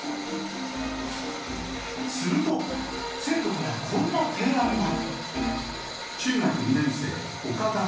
すると生徒からこんな提案が。